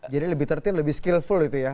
jadi lebih tertib lebih skillful gitu ya